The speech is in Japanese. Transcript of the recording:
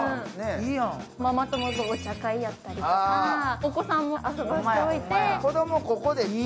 ママ友とお茶会やったりとか、お子さんも遊ばせておいて。